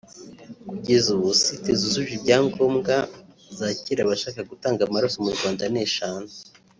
Kugeza ubu site zujuje ibyangombwa zakira abashaka gutanga amaraso mu Rwanda ni eshanu